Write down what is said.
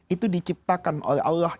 itu diciptakan oleh allah